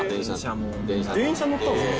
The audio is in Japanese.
電車乗ったんですか？